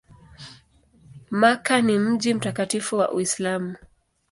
Makka ni mji mtakatifu wa Uislamu.